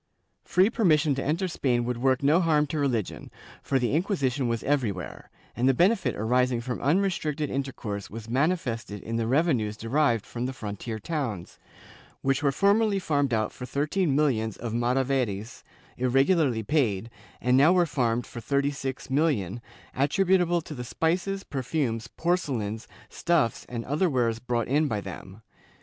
Free permission to enter Spain would work no harm to religion, for the Inquisition was everywhere, and the benefit arising from unrestricted intercourse was manifested in the reve nues derived from the frontier towns, which were formerly farmed out for thirteen millions of maravedls, irregularly paid, and now were farmed for thirty six millions, attributable to the spices, perfumes, porcelains, stuffs and other wares brought in by them.